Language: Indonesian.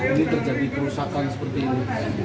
ini terjadi kerusakan seperti ini